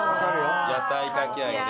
野菜かき揚げね。